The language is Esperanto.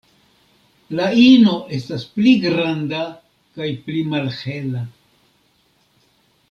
La ino estas pli granda kaj pli malhela.